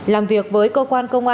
làm việc với cơ quan công an